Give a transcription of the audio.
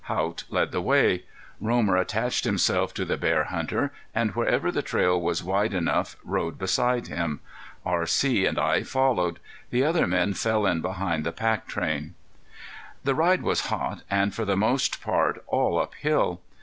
Haught led the way. Romer attached himself to the bear hunter, and wherever the trail was wide enough rode beside him. R.C. and I followed. The other men fell in behind the pack train. The ride was hot, and for the most part all up hill.